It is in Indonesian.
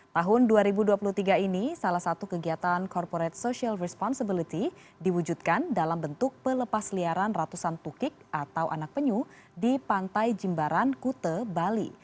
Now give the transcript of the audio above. tahun dua ribu dua puluh tiga ini salah satu kegiatan corporate social responsibility diwujudkan dalam bentuk pelepas liaran ratusan tukik atau anak penyu di pantai jimbaran kute bali